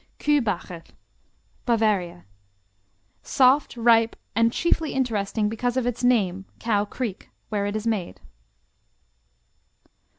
Kühbacher Bavaria Soft, ripe, and chiefly interesting because of its name, Cow Creek, where it is made.